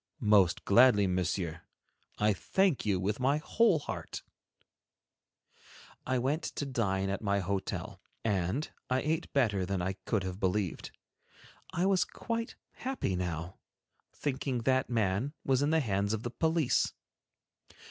"Most gladly, Monsieur. I thank you with my whole heart." I went to dine at my hotel and I ate better than I could have believed. I was quite happy now, thinking that man was in the hands of the police.